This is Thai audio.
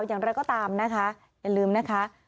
อย่างไรก็ตามนะคะอย่าลืมนะคะ